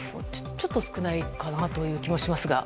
ちょっと少ないかなという気もしますが。